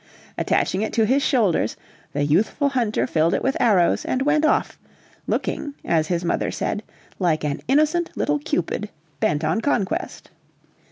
Attaching it to his shoulders, the youthful hunter filled it with arrows and went off; looking, as his mother said, like an innocent little Cupid, bent on conquest.